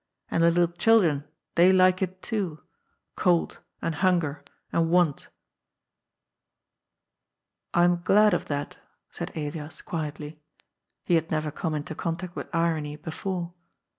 And the little children, they like it, too, cold, and hanger, and wanf ^^ I am glad of that," said Elias quietly. He had neyer come into contact with irony before.